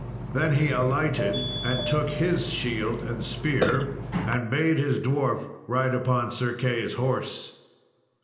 Then he alighted, and took his shield and spear, and bade his dwarf ride upon Sir Key's horse.